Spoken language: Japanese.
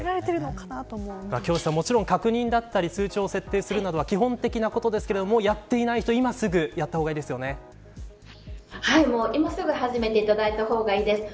京師さん、確認だったり通知を設定するなどは基本的なことですがやってない人は今すぐ今すぐ始めていただいた方がいいです。